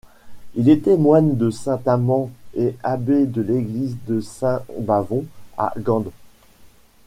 Il était moine de Saint-Amand et abbé à l'église de Saint-Bavon à Gand.